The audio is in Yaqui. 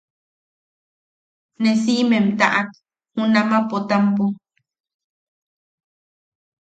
Ne siʼimem taʼak junama Potampo.